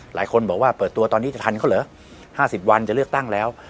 หลายคนบอกว่าเปิดตัวตอนนี้จะทันเขาเหรอ๕๐วันจะเลือกตั้งแล้ว